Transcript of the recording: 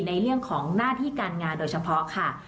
ในเรื่องของหน้าที่การงานโดยเฉพาะค่ะ